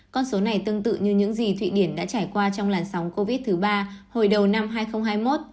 con số này tương tự như những gì thụy điển đã trải qua trong làn sóng covid thứ ba hồi đầu năm hai nghìn hai mươi một